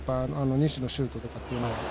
西のシュートとかっていうのは。